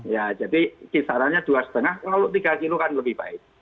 ya jadi kisarannya dua lima kalau tiga kilo kan lebih baik